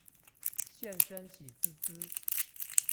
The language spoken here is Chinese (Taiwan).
現身喜滋滋